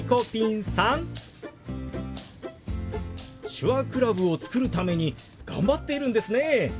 手話クラブを作るために頑張っているんですね。